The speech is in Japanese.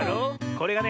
これがね